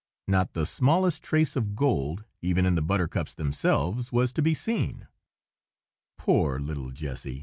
Not the smallest trace of gold, even in the buttercups themselves, was to be seen. Poor little Jessy!